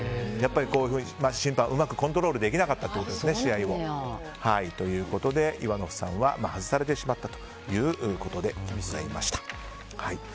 こういうふうに審判がうまく試合をコントロールできなかったということでイワノフさんは外されてしまったということでございました。